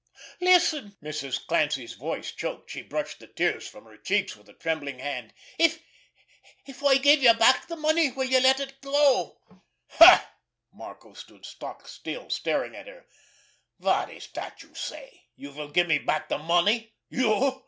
"Listen!" Mrs. Clancy's voice choked. She brushed the tears from her cheeks with a trembling hand. "If—if I give you back the money, will you let him go?" "Ha!" Marco stood stock still, staring at her. "What is that you say? You will give me back the money? You!